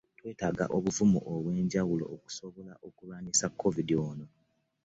Twetaaga obuvumu obw'ebjawulo okusobola okulwanyisa covid ono.